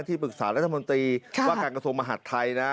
ปรึกษารัฐมนตรีว่าการกระทรวงมหาดไทยนะ